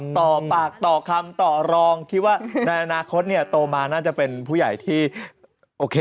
ต่อปากต่อคำต่อรองคิดว่าในอนาคตเนี่ยโตมาน่าจะเป็นผู้ใหญ่ที่โอเค